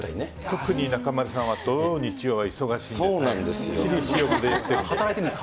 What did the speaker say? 特に中丸さんは土曜、日曜が忙しいので。